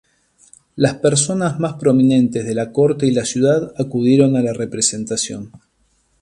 Las personas más prominentes de la corte y la ciudad acudieron a la representación.